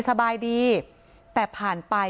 สบายดีแต่ผ่านไป